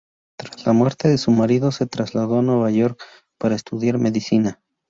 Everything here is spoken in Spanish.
Tras la muerte de su marido se trasladó a Nueva York para estudiar medicina.